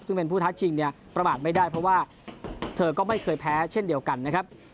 ซึ่งเป็นผู้ท้าชิงเนี่ยประมาทไม่ได้เพราะว่าเธอก็ไม่เคยแพ้เช่นเดียวกันนะครับ